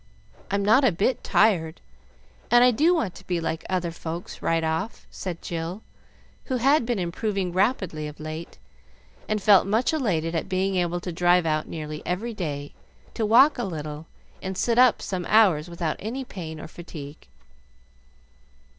I'm not a bit tired, and I do want to be like other folks right off," said Jill, who had been improving rapidly of late, and felt much elated at being able to drive out nearly every day, to walk a little, and sit up some hours without any pain or fatigue.